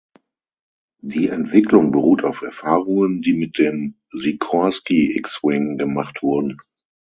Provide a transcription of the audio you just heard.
Die Entwicklung beruht auf Erfahrungen, die mit dem Sikorsky X-wing gemacht wurden.